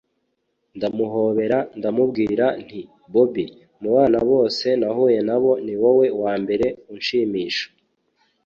ndamuhobera ndamubwira nti bobi! mubana bose nahuye nabo niwowe wambere unshimisha